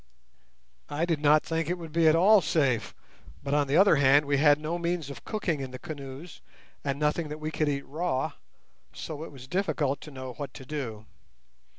I did not think it would be at all safe; but, on the other hand, we had no means of cooking in the canoes, and nothing that we could eat raw, so it was difficult to know what to do.